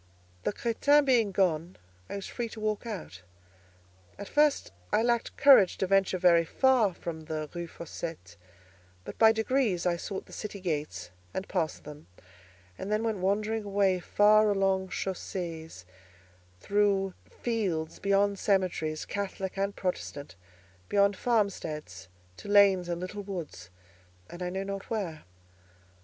The crétin being gone, I was free to walk out. At first I lacked courage to venture very far from the Rue Fossette, but by degrees I sought the city gates, and passed them, and then went wandering away far along chaussées, through fields, beyond cemeteries, Catholic and Protestant, beyond farmsteads, to lanes and little woods, and I know not where.